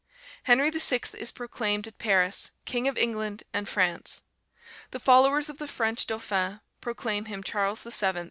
Henry VI. is proclaimed at Paris, King of England and France. The followers of the French Dauphin proclaim him Charles VII.